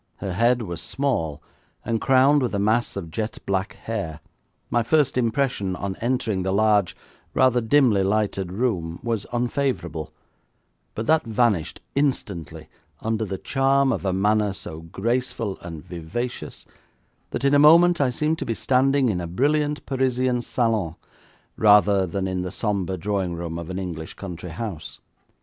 Her head was small, and crowned with a mass of jet black hair. My first impression on entering the large, rather dimly lighted room was unfavourable, but that vanished instantly under the charm of a manner so graceful and vivacious, that in a moment I seemed to be standing in a brilliant Parisian salon rather than in the sombre drawing room of an English country house.